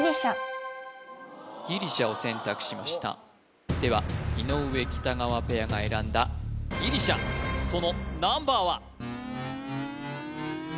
ギリシャを選択しましたでは井上・北川ペアが選んだギリシャそのナンバーは？